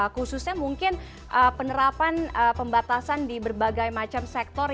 khususnya mungkin penerapan pembatasan di berbagai macam sektor